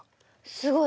すごい。